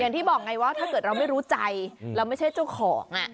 อย่างที่บอกไงว่าถ้าเกิดเราไม่รู้ใจเราไม่ใช่เจ้าของ